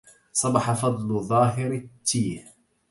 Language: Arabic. صبح فضل ظاهر التيه